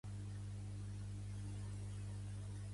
Pedro César Ansa Araiz és un jugador de bàsquet nascut a Barcelona.